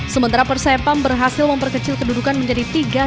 sementara persepam berhasil memperkecil kedudukan menjadi tiga satu